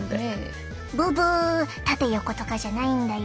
ブブ縦横とかじゃないんだよ。